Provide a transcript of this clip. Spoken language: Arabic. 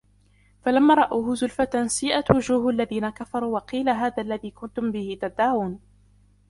فَلَمَّا رَأَوْهُ زُلْفَةً سِيئَتْ وُجُوهُ الَّذِينَ كَفَرُوا وَقِيلَ هَذَا الَّذِي كُنْتُمْ بِهِ تَدَّعُونَ